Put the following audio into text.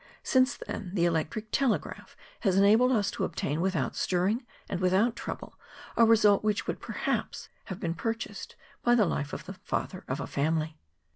Since then the elec¬ tric telegraph has enabled us to obtain, without stirring and without trouble, a result which would, perhaps, have been purchased by the life of the father of a family.